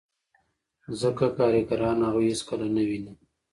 ځکه کارګران هغوی هېڅکله نه ویني